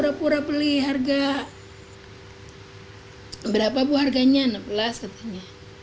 ya dia nggak pura pura beli harga berapa buah harganya enam belas katanya